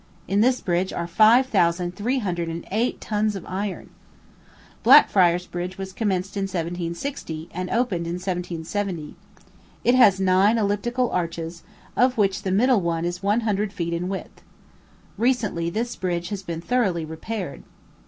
In this bridge are five thousand three hundred and eight tons of iron. Blackfriars Bridge was commenced in 1760, and opened in 1770. It has nine elliptical arches, of which the middle one is one hundred feet in width. Recently this bridge has been thoroughly repaired.